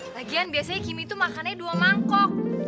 lagian biasanya kimi tuh makannya dua mangkok